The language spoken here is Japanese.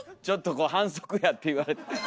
ちょっと反則やって言われて。